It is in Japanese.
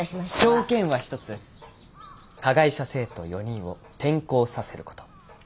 条件は１つ加害者生徒４人を転校させる事。